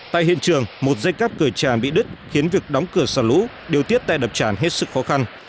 tại hiện trường một dây cáp cửa tràn bị đứt khiến việc đóng cửa sở lũ điều tiết tay đập tràn hết sức khó khăn